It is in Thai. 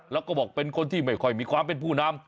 แล้วก็บอกเป็นคนที่ไม่ค่อยมีความเป็นผู้นำ